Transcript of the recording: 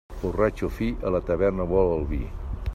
Borratxo fi, a la taverna vol el vi.